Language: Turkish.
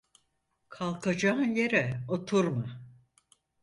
Kalkacağın yere oturma.